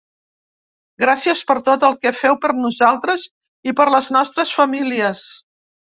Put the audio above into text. Gràcies per tot el que feu per nosaltres i per les nostres famílies.